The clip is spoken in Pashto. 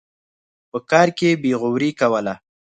په کار کې بېغوري کوله.